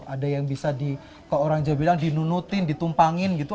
ada yang bisa di kalau orang jawa bilang dinunutin ditumpangin gitu